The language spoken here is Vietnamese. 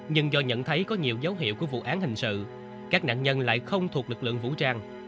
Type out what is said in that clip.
nhưng do nhận thấy có nhiều dấu hiệu của vụ án hình sự các nạn nhân lại không thuộc lực lượng vũ trang